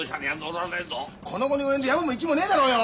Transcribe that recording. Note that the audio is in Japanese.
この期に及んでやぼも粋もねえだろうよ！